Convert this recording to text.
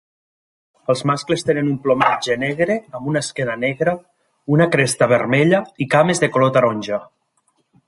Els mascles tenen un plomatge negre amb una esquena negra, una cresta vermella i cames de color taronja.